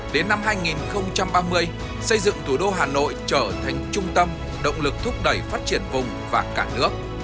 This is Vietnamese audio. đến năm hai nghìn ba mươi xây dựng thủ đô hà nội trở thành trung tâm động lực thúc đẩy phát triển vùng và cả nước